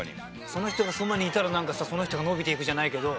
その人がそばにいたらその人が伸びていくじゃないけど。